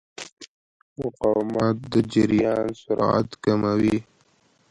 مقاومت د جریان سرعت کموي.